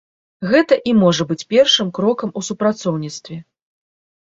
Гэта і можа быць першым крокам у супрацоўніцтве.